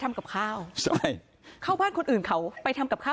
แอบไปทำกับข้าว